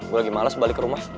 gue lagi malas balik ke rumah